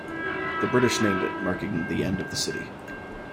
The British named it marking the end of the city.